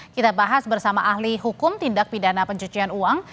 kita bahas bersama ahli hukum tindak pidana pencucian uang